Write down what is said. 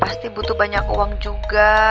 pasti butuh banyak uang juga